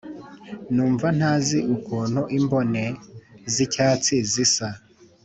Numva ntazi ukuntu imbone z’icyatsi zisa